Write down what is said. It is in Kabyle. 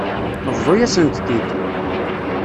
Bḍu-yasent-t-id.